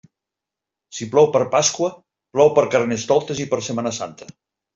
Si plou per Pasqua, plou per Carnestoltes i per Setmana Santa.